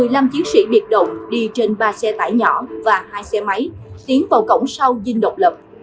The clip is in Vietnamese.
năm một nghìn chín trăm sáu mươi tám một mươi năm chiến sĩ biệt động đi trên ba xe tải nhỏ và hai xe máy tiến vào cổng sau dinh độc lập